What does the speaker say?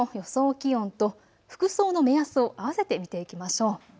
気温と服装の目安をあわせて見ていきましょう。